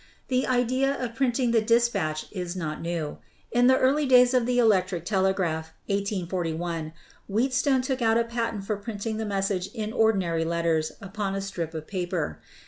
The idea of printing the despatch is not new. In the early days of the electric telegraph (1841) Wheatstone took out a patent for printing the message in ordinary letters upon a strip of paper.